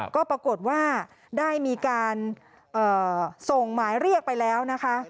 ก็ปรากฏว่าได้มีการส่งหมายเรียกไปแล้วนะคะ